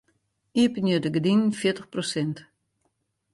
Iepenje de gerdinen fjirtich prosint.